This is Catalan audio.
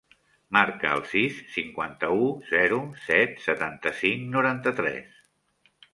Marca el sis, cinquanta-u, zero, set, setanta-cinc, noranta-tres.